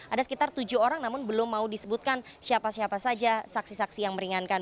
ada sekitar tujuh orang namun belum mau disebutkan siapa siapa saja saksi saksi yang meringankan